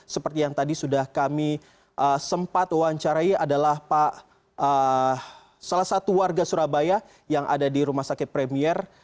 seperti yang tadi sudah kami sempat wawancarai adalah pak salah satu warga surabaya yang ada di rumah sakit premier